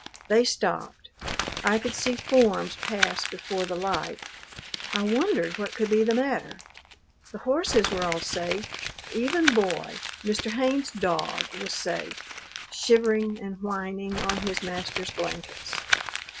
They stopped. I could see forms pass before the light. I wondered what could be the matter. The horses were all safe; even Boy, Mr. Haynes's dog, was safe, shivering and whining on his master's blankets.